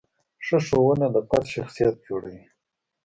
ښه ښوونه د فرد شخصیت جوړوي.